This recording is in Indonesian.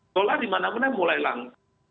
dolar dimana mana mulai langka